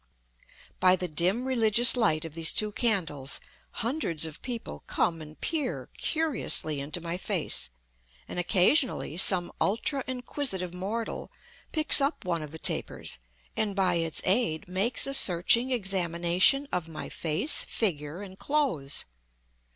By the dim religious light of these two candles, hundreds of people come and peer curiously into my face, and occasionally some ultra inquisitive mortal picks up one of the tapers and by its aid makes a searching examination of my face, figure, and clothes.